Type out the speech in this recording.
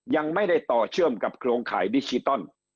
ยังไม่ได้ต่อเชื่อมกับโครงข่ายดิจิตอล